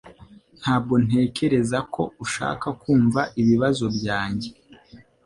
Ntabwo ntekereza ko ushaka kumva ibibazo byanjye